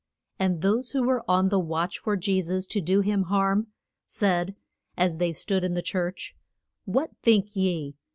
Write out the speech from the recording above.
And those who were on the watch for Je sus to do him harm, said, as they stood in the church, What think ye?